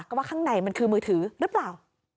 ก็ว่าข้างในมันคือมือถือหรือเปล่า